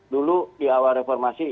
dulu di awal reformasi